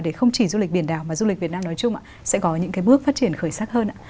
để không chỉ du lịch biển đảo mà du lịch việt nam nói chung ạ sẽ có những cái bước phát triển khởi sắc hơn ạ